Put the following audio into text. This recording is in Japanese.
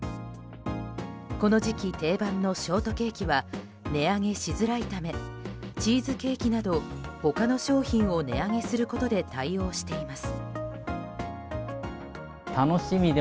この時期定番のショートケーキは値上げしづらいためチーズケーキなど他の商品を値上げすることで対応しています。